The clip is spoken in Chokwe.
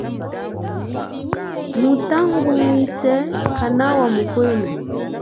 Mutangunwise kanawa mukwenu.